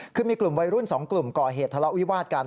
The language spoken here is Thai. คือมีกลุ่มวัยรุ่น๒กลุ่มก่อเหตุทะเลาะวิวาดกัน